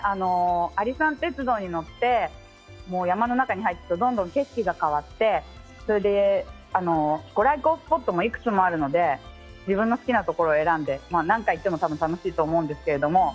阿里山鉄道に乗って山の中に入っていくと、どんどん景色が変わって、それで、ご来光スポットも幾つもあるので、自分の好きなところを選んで、何回行っても多分楽しいと思うんですけれども。